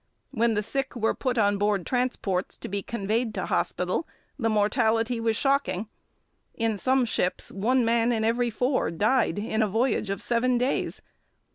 When the sick were put on board transports, to be conveyed to hospital, the mortality was shocking. In some ships one man in every four died in a voyage of seven days.